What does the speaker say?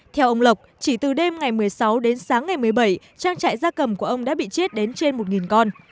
theo ông lộc chỉ từ đêm ngày một mươi sáu đến sáng ngày một mươi bảy trang trại gia cầm của ông đã bị chết đến trên một con